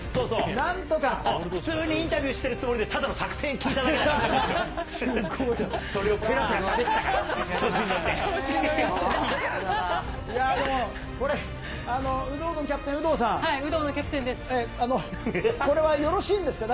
なんとか普通にインタビューしてるつもりで、ただの作戦聞いただけだから。